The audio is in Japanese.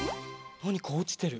なにかおちてる。